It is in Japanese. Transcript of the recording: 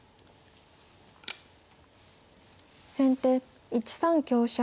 先手１三香車。